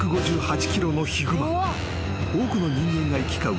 ［多くの人間が行き交う